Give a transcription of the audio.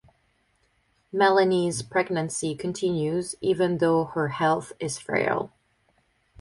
Melanie's pregnancy continues even though her health is frail.